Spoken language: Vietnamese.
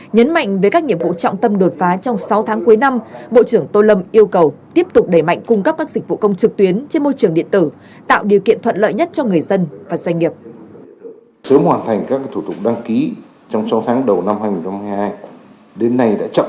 nhấn mạnh về các nhiệm vụ trọng tâm đột phá trong sáu tháng cuối năm bộ trưởng tô lâm yêu cầu tiếp tục đẩy mạnh cung cấp các dịch vụ công trực tuyến trên môi trường điện tử tạo điều kiện thuận lợi nhất cho người dân và doanh nghiệp